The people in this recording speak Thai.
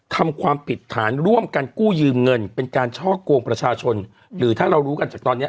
ทำความผิดฐานร่วมกันกู้ยืมเงินเป็นการช่อกงประชาชนหรือถ้าเรารู้กันจากตอนเนี้ย